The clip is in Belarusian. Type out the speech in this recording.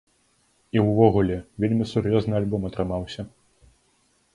І ўвогуле, вельмі сур'ёзны альбом атрымаўся.